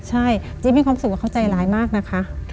ใช่จิ๊บมีความสุขว่าเขาใจร้ายมากนะคะ